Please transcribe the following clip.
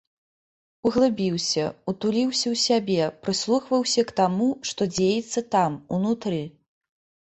Углыбіўся, утуліўся ў сябе, прыслухваўся к таму, што дзеецца там, унутры.